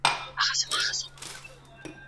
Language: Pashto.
دوامداره هڅه د اوبو په څیر ډبره سوری کوي.